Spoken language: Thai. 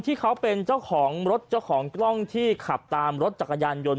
ที่เขาเป็นเจ้าของรถเจ้าของกล้องที่ขับตามรถจักรยานยนต์